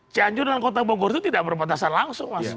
cianjur dengan kota bogor itu tidak berbatasan langsung mas